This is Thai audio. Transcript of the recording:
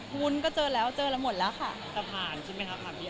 หุ้นก็เจอแล้วเจอหมดแล้วค่ะ